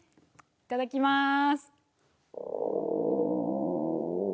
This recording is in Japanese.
いただきます。